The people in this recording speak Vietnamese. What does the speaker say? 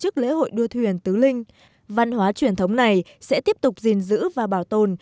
tổ chức lễ hội đua thuyền tứ linh văn hóa truyền thống này sẽ tiếp tục gìn giữ và bảo tồn